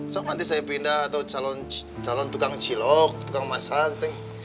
sok nanti saya pindah atau calon tukang cilok tukang masak